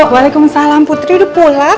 waalaikumsalam putri udah pulang